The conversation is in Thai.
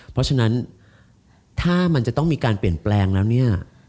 เพราะฉะนั้นถ้ามันจะต้องมีการเปลี่ยนแปลงแล้วเนี่ย